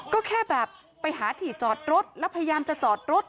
ก็แค่แบบไปหาที่จอดรถแล้วพยายามจะจอดรถ